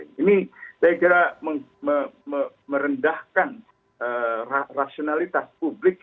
ini saya kira merendahkan rasionalitas publik